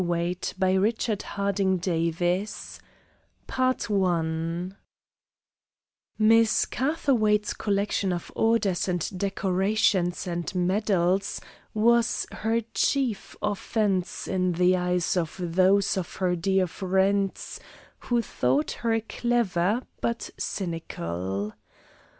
THE CYNICAL MISS CATHERWAIGHT Miss Catherwaight's collection of orders and decorations and medals was her chief offence in the eyes of those of her dear friends who thought her clever but cynical.